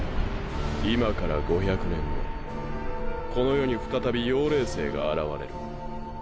今から五百年後この世に再び妖霊星が現れる。